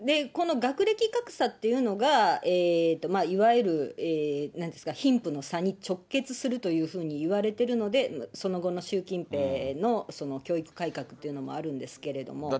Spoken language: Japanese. この学歴格差というのが、いわゆる、なんて言うんですか、貧富の差に直結するというふうにいわれてるので、その後の習近平の教育改革っていうのもあるんですけれども。